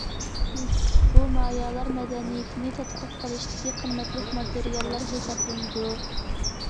بۇ مايالار مەدەنىيىتىنى تەتقىق قىلىشتىكى قىممەتلىك ماتېرىياللار ھېسابلىنىدۇ.